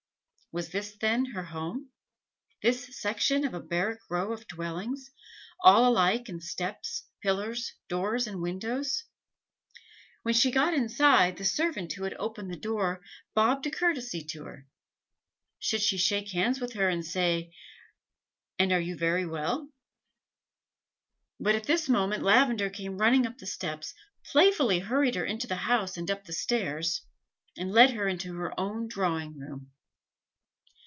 Was this, then, her home? this section of a barrack row of dwellings, all alike in steps, pillars, doors, and windows? When she got inside, the servant who had opened the door bobbed a courtesy to her: should she shake hands with her and say. "And are you ferry well?" But at this moment Lavender came running up the steps, playfully hurried her into the house and up the stairs, and led her into her own drawing room.